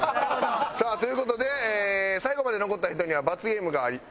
さあという事で最後まで残った人には罰ゲームがあります。